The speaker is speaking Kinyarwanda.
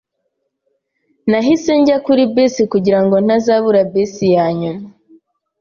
Nahise njya kuri bisi kugirango ntazabura bisi yanyuma.